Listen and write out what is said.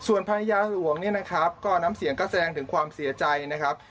ส่วนพระนักยาศาสตร์ห่วงนี่นะครับก็น้ำเสียงก็แสดงถึงความเสียใจนะครับ